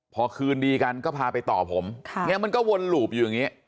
พอคืนดีกันก็พาไปต่อผมเนี่ยมันก็วนหลูบอยู่อย่างนี้